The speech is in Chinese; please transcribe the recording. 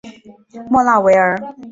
莫纳维尔。